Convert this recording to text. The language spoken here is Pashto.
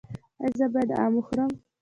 ایا زه باید ام وخورم؟